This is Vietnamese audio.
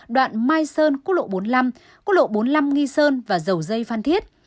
đoạn mai sơn quốc lộ bốn mươi năm quốc lộ bốn mươi năm nghi sơn và dầu dây phan thiết